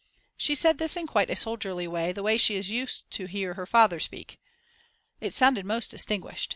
She said this in quite a soldierly way, the way she is used to hear her father speak. It sounded most distinguished.